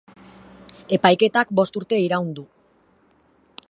Epaiketak bost urte iraun du.